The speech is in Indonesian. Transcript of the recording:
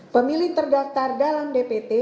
pemilih terdaftar dalam dpt